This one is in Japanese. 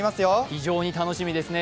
非常に楽しみですね。